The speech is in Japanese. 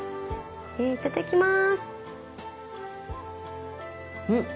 いただきます。